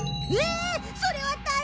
それは大変だ！